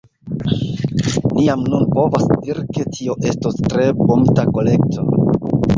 Ni jam nun povas diri ke tio estos tre bunta kolekto.